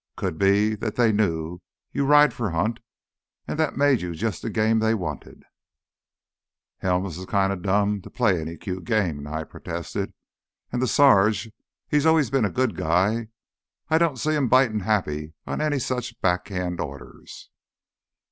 Could be that they knew you ride for Hunt and that made you just the game they wanted." "Helms's kinda dumb to play any cute game," Nye protested. "An' th' sarge, he's always been a good guy, I don't see him bitin' happy on any such backhand orders."